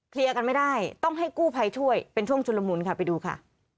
กันไม่ได้ต้องให้กู้ภัยช่วยเป็นช่วงชุนละมุนค่ะไปดูค่ะ